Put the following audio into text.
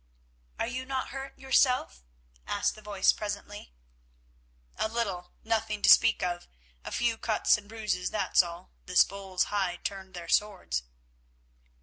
"Are you not hurt yourself?" asked the voice presently. "A little, nothing to speak of; a few cuts and bruises, that's all; this bull's hide turned their swords."